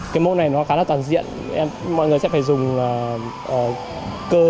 cái môn này nó khá là toàn diện mọi người sẽ phải dùng cơ